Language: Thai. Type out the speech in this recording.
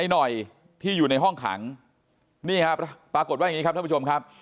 หน่อยที่อยู่ในห้องขังนี่ครับปรากฏว่าอย่างนี้ครับท่านผู้ชมครับ